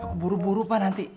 aku buru buru pak nanti